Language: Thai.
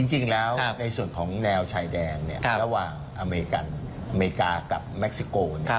ระหว่างอเมริกากับเม็กซิโก